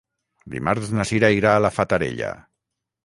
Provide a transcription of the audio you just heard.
Dimarts na Cira irà a la Fatarella.